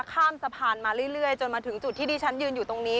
ข้ามสะพานมาเรื่อยจนมาถึงจุดที่ดิฉันยืนอยู่ตรงนี้